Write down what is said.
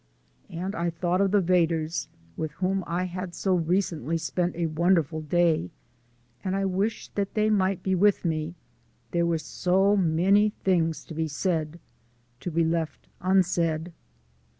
And I thought of the Vedders with whom I had so recently spent a wonderful day; and I wished that they might be with me; there were so many things to be said to be left unsaid.